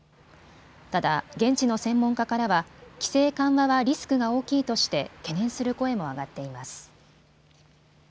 ただ、現地の専門家からは規制緩和はリスクが大きいとして懸念する声も上がっています。